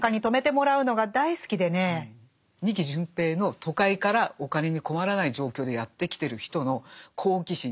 仁木順平の都会からお金に困らない状況でやって来てる人の好奇心。